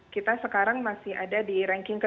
kita sekarang masih ada di ranking ke dua puluh tiga